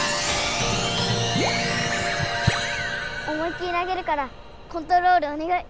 思いっきり投げるからコントロールおねがい！